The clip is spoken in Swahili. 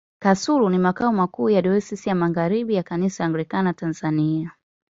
Kasulu ni makao makuu ya Dayosisi ya Magharibi ya Kanisa Anglikana Tanzania.